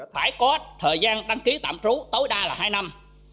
phải có thời gian đăng ký tạm trú tối đa là hai năm